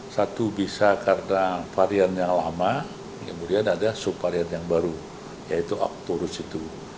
satu bisa karena varian yang lama kemudian ada subvarian yang baru yaitu aktorus itu